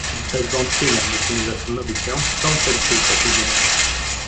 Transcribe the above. Bez wątpienia musimy zastanowić się, skąd to dzisiejsze opóźnienie